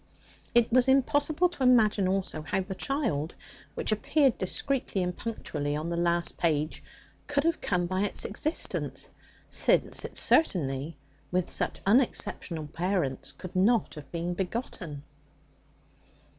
It was impossible to imagine also how the child, which appeared discreetly and punctually on the last page, could have come by its existence, since it certainly, with such unexceptional parents, could not have been begotten.